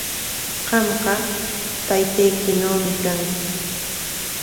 Qamqa taytaykinawmi kanki.